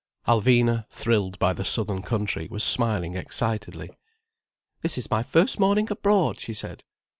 Alvina, thrilled by the southern country, was smiling excitedly. "This is my first morning abroad," she said.